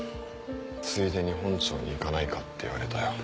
ついでに本庁に行かないかって言われたよ。